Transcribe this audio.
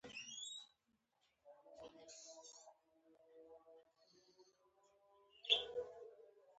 د نیمروز سفر په پلان کې نیول شوی و.